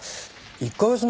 １カ月前。